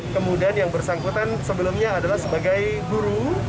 kemudian yang bersangkutan sebelumnya adalah sebagai guru